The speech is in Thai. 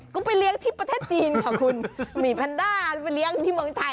ก็ไปเลี้ยงที่ประเทศจีนค่ะคุณหมี่แพนด้าไปเลี้ยงที่เมืองไทย